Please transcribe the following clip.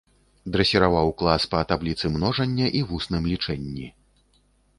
Дрэсіраваў клас па табліцы множання і вусным лічэнні.